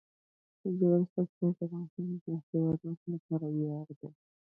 ژورې سرچینې د افغانستان د هیوادوالو لپاره ویاړ دی.